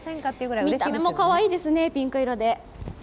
見た目もかわいいですね、ピンク色で。